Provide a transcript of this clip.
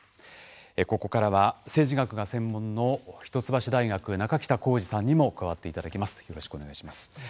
ここからは、政治学が専門の一橋大学、中北浩爾さんにも加わっていただきます。